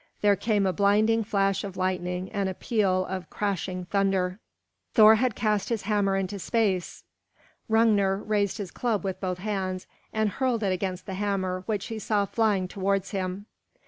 There came a blinding flash of lightning and a peal of crashing thunder. Thor had cast his hammer into space. Hrungnir raised his club with both hands and hurled it against the hammer which he saw flying towards him.